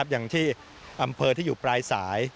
อย่างที่อำเภออยู่ที่ปลายสาย